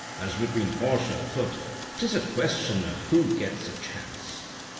As between horse and foot, 'tis a question o' which gets a chance.